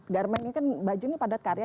garmen ini kan bajunya padat karya